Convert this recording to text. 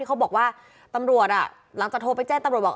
เขาบอกว่าตำรวจหลังจากโทรไปแจ้งตำรวจบอก